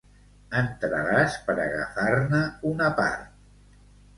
Entraràs per agafar-ne una part.